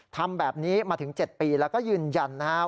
ทำแบบนี้มาถึง๗ปีแล้วก็ยืนยันนะครับ